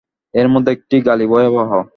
এর মধ্যে একটি গালি ভয়াবহ।